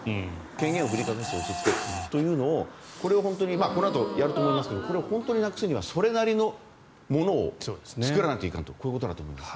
権限を振りかざした押しつけというのをこれをこのあとやると思いますがこれをなくすにはそれなりのものを作らないといかんということだと思います。